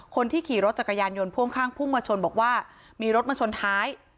คนที่ขี่รถจักรยานยนต์พ่วงข้างพุ่งมาชนบอกว่ามีรถมาชนท้าย